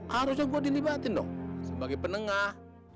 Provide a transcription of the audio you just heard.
harusnya gue dilibatin dong sebagai penengah